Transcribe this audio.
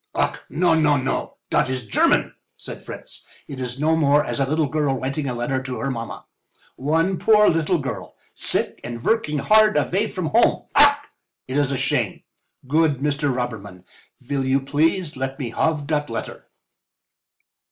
"Ach, no, no, no—dot is German," said Fritz. "It is no more as a little girl writing a letter to her mamma. One poor little girl, sick and vorking hard avay from home. Ach! it is a shame. Good Mr. Robberman, you vill please let me have dot letter?"